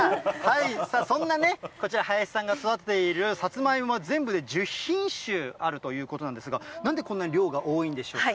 そんなね、こちら、林さんが育てているさつまいも、全部で１０品種あるということなんですが、なんでこんなに量が多いんでしょうか。